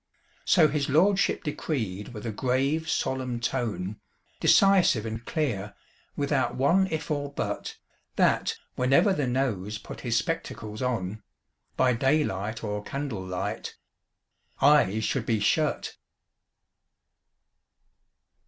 So his lordship decreed with a grave solemn tone, Decisive and clear, without one if or but That, whenever the Nose put his spectacles on, By daylight or candlelight Eyes should be shut!